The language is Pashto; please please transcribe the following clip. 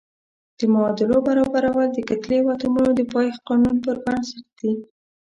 د معادلو برابرول د کتلې او اتومونو د پایښت قانون پر بنسټ دي.